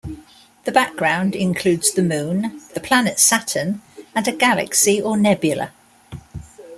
The background includes the Moon, the planet Saturn and a galaxy or nebula.